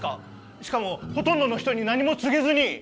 しかもほとんどの人に何も告げずに！